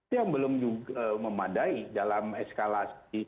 yang belum memadai dalam eskala